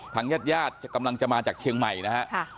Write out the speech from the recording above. ทางญาติญาติกำลังจะมาจากเชียงใหม่นะฮะ